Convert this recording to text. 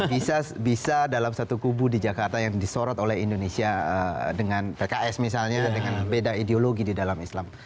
bisa dalam satu kubu di jakarta yang disorot oleh indonesia dengan pks misalnya dengan beda ideologi di dalam islam